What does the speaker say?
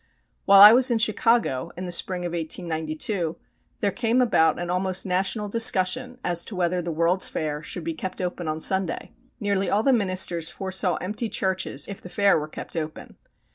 While I was in Chicago, in the spring of 1892, there came about an almost national discussion as to whether the World's Fair should be kept open on Sunday. Nearly all the ministers foresaw empty churches if the fair were kept open.